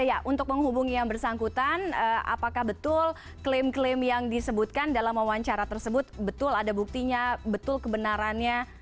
ya untuk menghubungi yang bersangkutan apakah betul klaim klaim yang disebutkan dalam wawancara tersebut betul ada buktinya betul kebenarannya